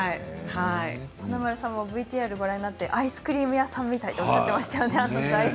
華丸さんもＶＴＲでアイスクリーム屋さんみたいとおっしゃってましたね。